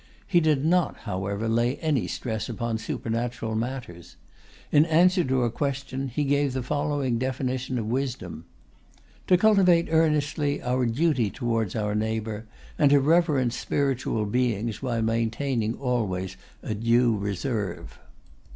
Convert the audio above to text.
He did not, however, lay any stress upon supernatural matters. In answer to a question, he gave the following definition of wisdom: "To cultivate earnestly our duty towards our neighbour, and to reverence spiritual beings while maintaining always a due reserve."